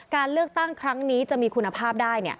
การเลือกตั้งครั้งนี้จะมีคุณภาพได้